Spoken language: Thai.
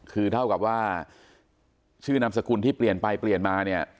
คือเท่ากับว่าชื่อนามสกุลที่เปลี่ยนไปเปลี่ยนมาเนี่ย